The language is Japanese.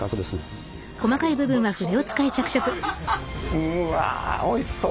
うわおいしそう。